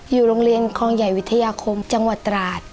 อยู่โรงเรียนคลองใหญ่วิทยาคมจังหวัดตราด